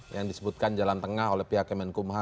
yang disebutkan jalan tengah oleh pihak kemenkumha